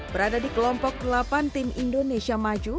berada di kelompok delapan tim indonesia maju